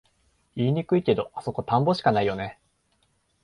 言いにくいけど、あそこ田んぼしかないよね